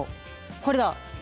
これだ。